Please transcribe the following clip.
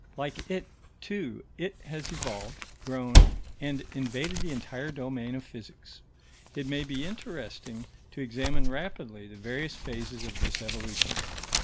Like it, too, it has evolved, grown, and invaded the entire domain of physics. It may be interesting to examine rapidly the various phases of this evolution.